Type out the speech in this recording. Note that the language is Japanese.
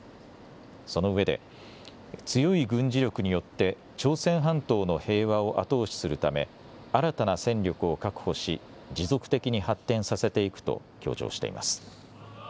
そのうえで強い軍事力によって朝鮮半島の平和を後押しするため新たな戦力を確保し持続的に発展させていくと強調しています。